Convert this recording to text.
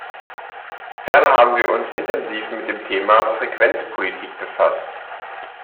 Ferner haben wir uns intensiv mit dem Thema Frequenzpolitik befasst.